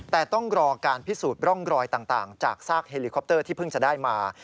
แต่ต้องรอการพิสูจน์ร่องรอยต่างจากซากเฮลิคอปเตอร์ที่เพิ่งจะได้มา